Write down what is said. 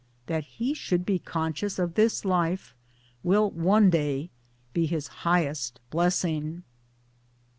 That he should be conscious of this life will one day be his highest blessing."